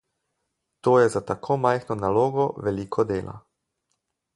To je za tako majhno nalogo veliko dela.